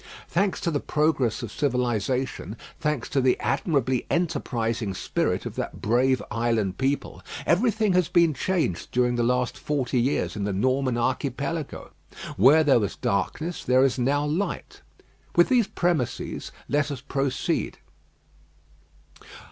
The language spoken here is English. Thanks to the progress of civilisation, thanks to the admirably enterprising spirit of that brave island people, everything has been changed during the last forty years in the Norman Archipelago. Where there was darkness there is now light. With these premises let us proceed.